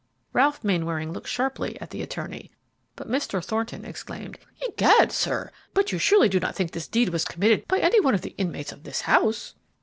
Ralph Mainwaring looked sharply at the attorney, but Mr. Thornton exclaimed, "'Egad! sir, but you surely do not think this deed was committed by any one of the inmates of this house?"